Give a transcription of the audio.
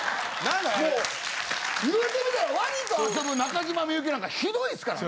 あれ・言うてみたらワニと遊ぶ中島みゆきなんかひどいですからね。